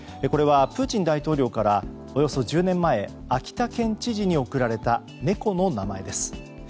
これはプーチン大統領からおよそ１０年前秋田県知事に贈られた猫の名前です。